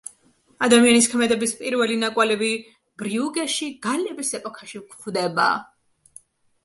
ადამიანის ქმედების პირველი ნაკვალევი ბრიუგეში გალების ეპოქაში გვხვდება.